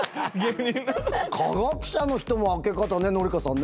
科学者の人も開け方紀香さん